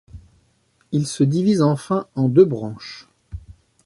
Il se divise enfin en deux branches.